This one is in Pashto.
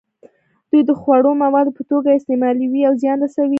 دوی د خوړو موادو په توګه یې استعمالوي او زیان رسوي.